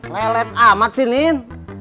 lelep amat sih nin